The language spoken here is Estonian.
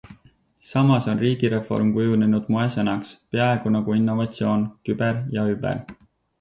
Samas on riigireform kujunenud moesõnaks, peaaegu nagu innovatsioon, küber ja über.